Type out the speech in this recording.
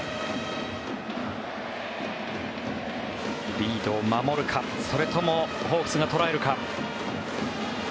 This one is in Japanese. リードを守るかそれともホークスが捉えるか。